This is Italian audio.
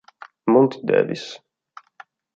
Monti Davis